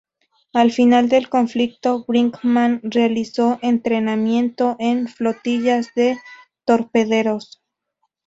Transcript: Al final del conflicto, Brinkmann realizó entrenamiento en flotillas de torpederos.